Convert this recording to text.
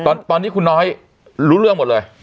ตอนนี้คุณน้อยรู้เรื่องหมดเลย